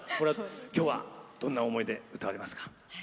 今日は、どんな思いで歌われますか？